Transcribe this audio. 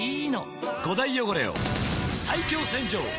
５大汚れを最強洗浄！